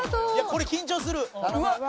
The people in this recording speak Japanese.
これ緊張する！